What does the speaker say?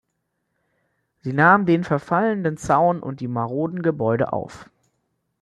Sie nahmen den verfallenden Zaun und die maroden Gebäude auf.